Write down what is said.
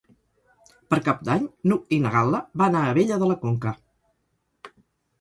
Per Cap d'Any n'Hug i na Gal·la van a Abella de la Conca.